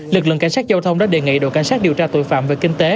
lực lượng cảnh sát giao thông đã đề nghị đội cảnh sát điều tra tội phạm về kinh tế